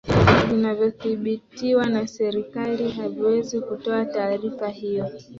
vinavyodhibitiwa na serikali haviwezi kutoa taarifa hiyo